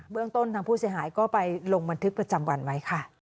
เรื่องต้นทางผู้เสียหายก็ไปลงบันทึกประจำวันไว้ค่ะ